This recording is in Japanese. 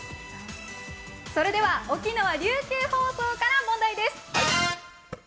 それでは沖縄琉球放送から問題です。